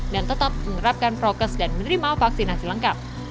dan tetap menerapkan prokes dan menerima vaksinasi lengkap